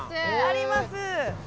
あります。